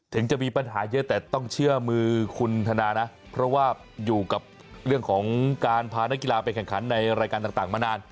ถึงจะมีปัญหาเยอะแต่ต้องเชื่อมือคุณธนานะเพราะว่าอยู่กับเรื่องของการพานักกีฬาไปแข่งขันในรายการต่างมานาน